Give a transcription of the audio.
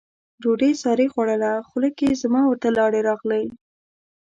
ډوډۍ سارې خوړله، خوله کې زما ورته لاړې راغلې.